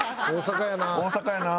大阪やなあ。